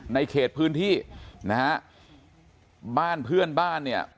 ในพื้นที่นะฮะบ้านเพื่อนบ้านเนี่ย